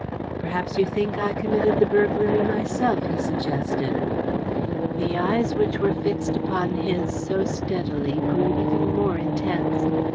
"Perhaps you think I committed the burglary myself," he suggested. The eyes which were fixed upon his so steadily grew even more intense.